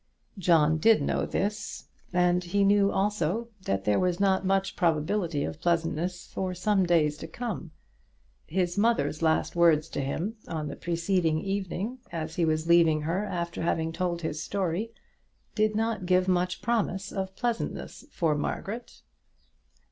John did know this, and he knew also that there was not much probability of pleasantness for some days to come. His mother's last words to him on the preceding evening, as he was leaving her after having told his story, did not give much promise of pleasantness for Margaret.